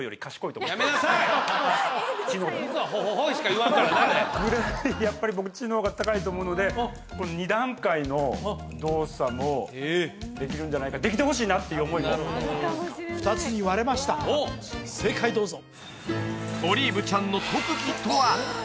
向こうは「ホホホイ」しか言わんからなあれやっぱり僕知能が高いと思うので２段階の動作もできるんじゃないかできてほしいなっていう思いも・あるかもしれない２つに割れました正解どうぞオリーブちゃんの特技とは？